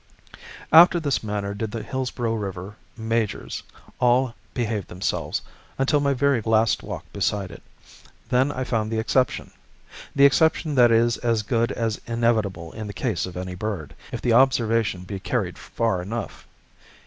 After this manner did the Hillsborough River majors all behave themselves until my very last walk beside it. Then I found the exception, the exception that is as good as inevitable in the case of any bird, if the observation be carried far enough.